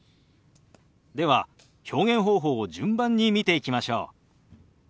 では表現方法を順番に見ていきましょう。